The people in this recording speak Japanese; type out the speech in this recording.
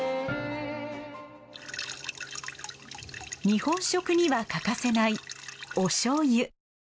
日本食には欠かせないお醤油。